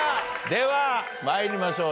では参りましょう。